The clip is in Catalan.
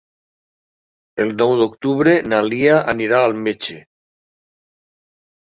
El nou d'octubre na Lia anirà al metge.